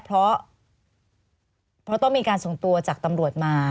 เพราะต้องมีการส่งตัวจากตำรวจมา